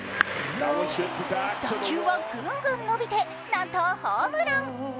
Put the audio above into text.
打球はぐんぐん伸びてなんとホームラン。